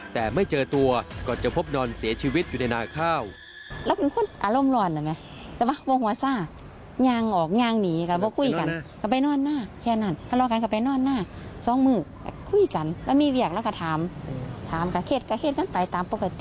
แต่ไม่เจอตัวก็จะพบนอนเสียชีวิตอยู่ในนาข้าว